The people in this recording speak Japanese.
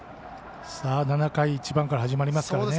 ７回、１番から始まりますからね。